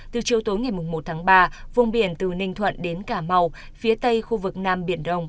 từ chiều tối ngày một tháng ba vùng biển từ ninh thuận đến cà mau phía tây khu vực nam biển đông